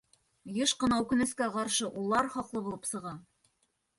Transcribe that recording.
Йыш ҡына, үкенескә ҡаршы, улар хаҡлы булып сыға.